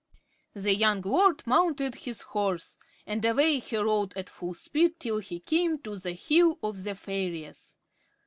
The young lord mounted his horse, and away he rode at full speed till he came to the hill of the fairies.